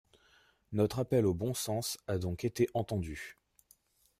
Notre appel au bon sens a donc été entendu.